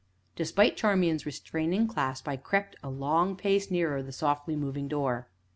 Despite Charmian's restraining clasp, I crept a long pace nearer the softly moving door.